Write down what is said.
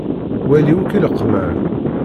Wali akk ileqman.